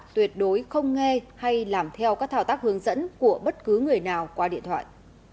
tuyệt đối không nghe hay làm theo các thảo tác hướng dẫn của bất cứ người nào qua điện thoại